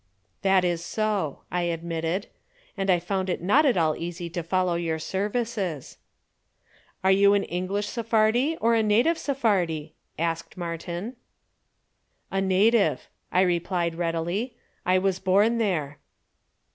"That is so," I admitted. "And I found it not at all easy to follow your services." "Are you an English Sephardi or a native Sephardi?" asked Martin. "A native!" I replied readily. "I was born there."